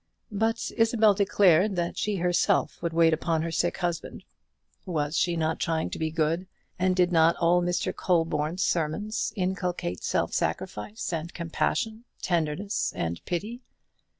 But Isabel declared that she herself would wait upon her sick husband. Was she not trying to be good; and did not all Mr. Colborne's sermons inculcate self sacrifice and compassion, tenderness and pity?